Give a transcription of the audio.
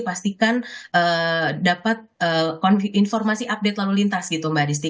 pastikan dapat informasi update lalu lintas gitu mbak distri